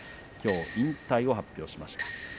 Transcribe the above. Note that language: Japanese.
きょう引退を発表しました。